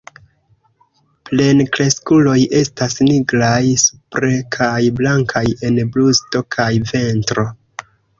Plenkreskuloj estas nigraj supre kaj blankaj en brusto kaj ventro.